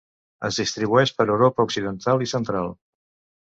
Es distribueix per Europa occidental i central.